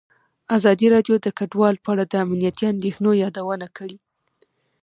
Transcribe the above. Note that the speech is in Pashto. ازادي راډیو د کډوال په اړه د امنیتي اندېښنو یادونه کړې.